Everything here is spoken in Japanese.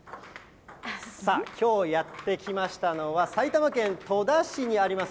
さあ、きょうやって来ましたのは、埼玉県戸田市にあります